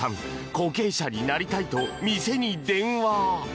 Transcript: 後継者になりたい！と店に電話。